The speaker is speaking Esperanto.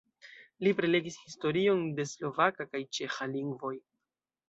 Li prelegis historion de slovaka kaj ĉeĥa lingvoj.